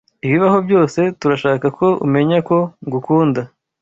Ibibaho byose, turashaka ko umenya ko ngukunda.